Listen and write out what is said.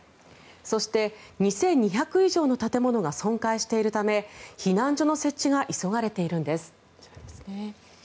そして、２２００以上の建物が損壊しているため避難所の設置が急がれているんです。